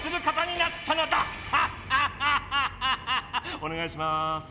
おねがいします。